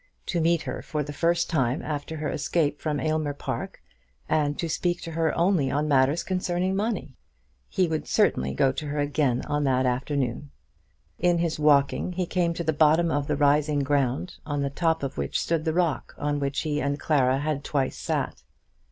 To meet her for the first time after her escape from Aylmer Park, and to speak to her only on matters concerning money! He would certainly go to her again on that afternoon. In his walking he came to the bottom of the rising ground on the top of which stood the rock on which he and Clara had twice sat.